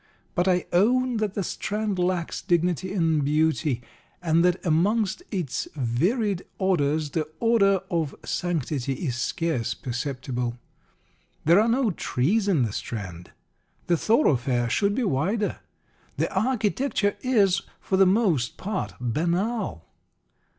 But I own that the Strand lacks dignity and beauty, and that amongst its varied odours the odour of sanctity is scarce perceptible. There are no trees in the Strand. The thoroughfare should be wider. The architecture is, for the most part, banal.